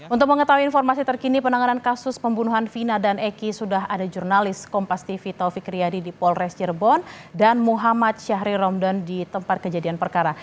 untuk mengetahui informasi terkini penanganan kasus pembunuhan vina dan eki sudah ada jurnalis kompas tv taufik riyadi di polres cirebon dan muhammad syahri romdan di tempat kejadian perkara